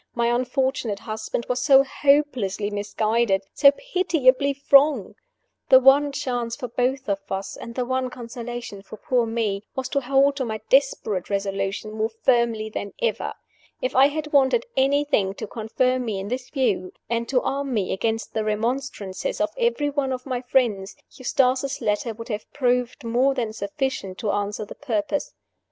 my unfortunate husband was so hopelessly misguided, so pitiably wrong! The one chance for both of us, and the one consolation for poor Me, was to hold to my desperate resolution more firmly than ever. If I had wanted anything to confirm me in this view, and to arm me against the remonstrances of every one of my friends, Eustace's letter would have proved more than sufficient to answer the purpose.